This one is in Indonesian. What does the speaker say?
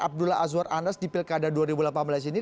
abdullah azwar anas di pilkada dua ribu delapan belas ini